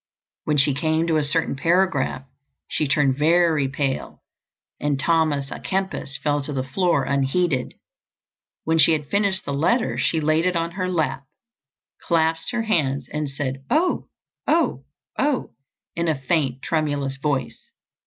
When she came to a certain paragraph, she turned very pale and Thomas à Kempis fell to the floor unheeded. When she had finished the letter she laid it on her lap, clasped her hands, and said, "Oh, oh, oh," in a faint, tremulous voice.